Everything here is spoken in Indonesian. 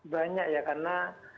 banyak ya karena